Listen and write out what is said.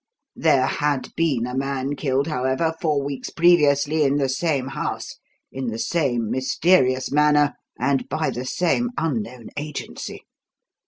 There had been a man killed, however, four weeks previously in the same house, in the same mysterious manner, and by the same unknown agency.